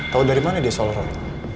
tahu dari mana dia soal roy